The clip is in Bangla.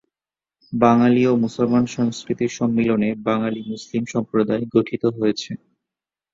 বাঙালি ও মুসলমান সংস্কৃতির সম্মিলনে বাঙালি মুসলিম সম্প্রদায় গঠিত হয়েছে।